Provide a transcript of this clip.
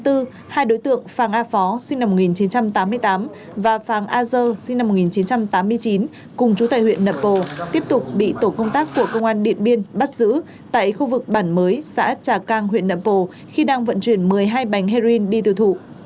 hai đối tượng phàng a phó sinh năm một nghìn chín trăm tám mươi tám và phàng a dơ sinh năm một nghìn chín trăm tám mươi chín cùng chú tài huyện nậm pồ tiếp tục bị tổ công tác của công an điện biên bắt giữ tại khu vực bản mới xã trà cang huyện nậm pồ khi đang vận chuyển một mươi hai bánh heroin đi tiêu thụ